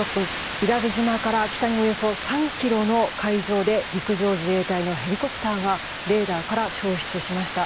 伊良部島から北におよそ３ｋｍの海上で陸上自衛隊のヘリコプターがレーダーから消失しました。